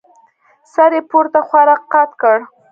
سر يې پورته خوا راقات کړ.